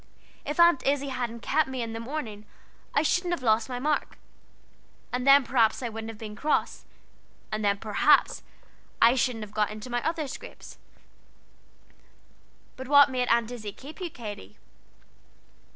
If Aunt Izzie hadn't kept me in the morning, I shouldn't have lost my mark, and then I shouldn't have been cross, and then perhaps I shouldn't have got in my other scrapes." "But what made Aunt Izzie keep you, Katy?"